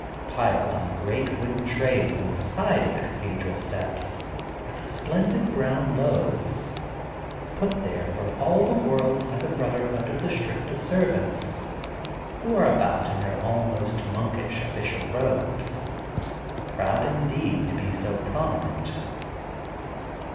Piled on great wooden trays on the side of the Cathedral steps are the splendid brown loaves, put there for all the world by the Brotherhood of the Strict Observance, who are about in their almost monkish official robes, proud indeed to be so prominent.